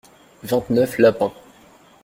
Vingt-neuf lapins.